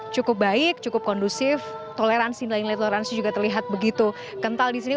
cukup baik cukup kondusif toleransi nilai nilai toleransi juga terlihat begitu kental di sini